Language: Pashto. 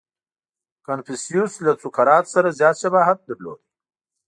• کنفوسیوس له سوکرات سره زیات شباهت درلود.